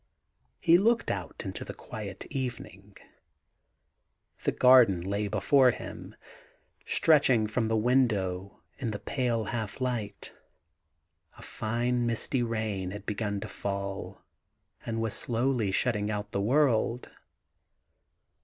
•.• He looked out into the quiet evening. The garden lay before him, stretching from the window in the pale half light. A fine misty rain had begun to fall and was slowly shutting out the world.